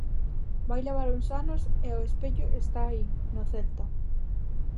Vai levar uns anos e o espello está aí, no Celta.